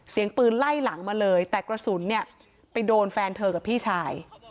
เสียงปืนไล่หลังมาเลยแต่กระสุนเนี่ยไปโดนแฟนเธอกับพี่ชาย